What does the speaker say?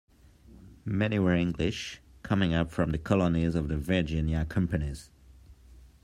Many were English, coming up from the colonies of the Virginia companies.